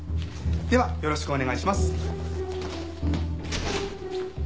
ではよろしくお願いします。